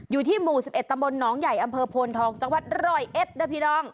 อยู่ที่หมู่๑๑ตำบลหนองใหญ่อำเภอโพนทองจังหวัดร้อยเอ็ดนะพี่น้อง